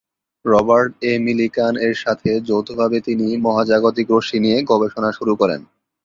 Robert A মিলিকান-এর সাথে যৌথভাবে তিনি মহাজাগতিক রশ্মি নিয়ে গবেষণা শুরু করেন।